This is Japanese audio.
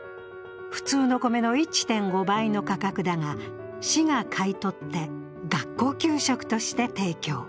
普通の米の１．５倍の価格だが、市が買い取って学校給食として提供。